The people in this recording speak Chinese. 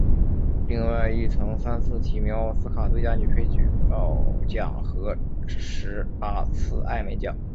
另外亦曾三次提名奥斯卡最佳女配角奖和十八次艾美奖。